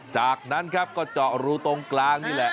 จากนั้นครับก็เจาะรูตรงกลางนี่แหละ